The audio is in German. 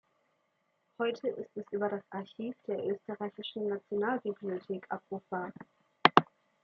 Heute ist es über das Archiv der Österreichischen Nationalbibliothek abrufbar.